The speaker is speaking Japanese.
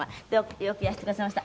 よくいらしてくださいました。